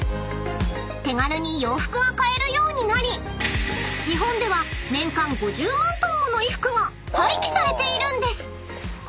［手軽に洋服が買えるようになり日本では年間５０万ｔもの衣服が廃棄されているんです］